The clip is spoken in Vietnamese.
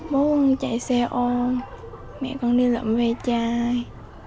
bố chạy xe ôm mẹ con đi lậm ve chai